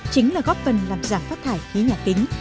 chính là góp phần làm giảm phát thải khí nhà kính